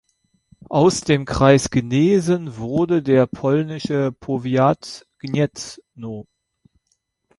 Aus dem Kreis Gnesen wurde der polnische Powiat Gniezno.